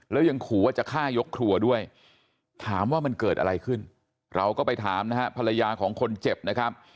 แล้วยังขู่ว่าจะฆ่ายกครัวด้วยถามว่ามันเกิดอะไรขึ้นเราก็ไปถามนะฮะภรรยาของคนเจ็บนะครับ